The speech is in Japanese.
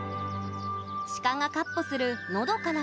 鹿がかっ歩するのどかな